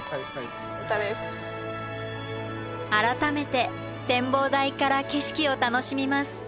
改めて展望台から景色を楽しみます。